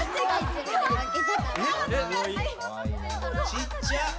ちっちゃ！